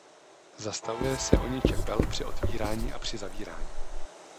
Zastavuje se o ně čepel při otvírání a při zavírání.